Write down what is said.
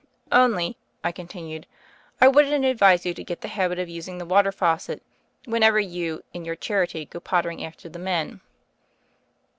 "Only," I continued, "I wouldn't advise you to get the habit of using the water faucet when ever you, in your charity, go pottering after the men."